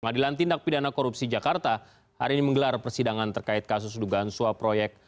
madilan tindak pidana korupsi jakarta hari ini menggelar persidangan terkait kasus dugaan suap proyek